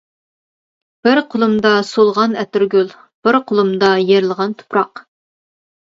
بىر قولۇمدا سولغان ئەتىرگۈل، بىر قولۇمدا يىرىلغان تۇپراق.